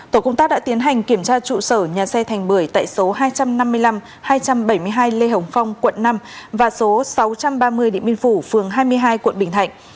tổ công tác đã tiến hành kiểm tra trụ sở nhà xe thành bưởi tại số hai trăm năm mươi năm hai trăm bảy mươi hai lê hồng phong quận năm và số sáu trăm ba mươi địa minh phủ phường hai mươi hai quận bình thạnh